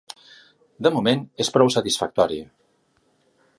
De moment és prou satisfactori.